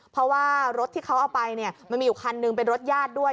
เพราะว่ารถที่เขาเอาไปเนี่ยมันมีอยู่คันหนึ่งเป็นรถญาติด้วย